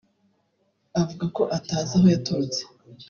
avuga ko atazi aho yaturutse